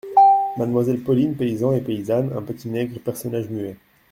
Mademoiselle Pauline Paysans et Paysannes, Un Petit Nègre personnage muet.